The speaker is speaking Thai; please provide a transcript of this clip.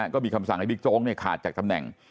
ก็มีคำสั่งให้บิ๊กโจ๊กขาดจากตำแหน่ง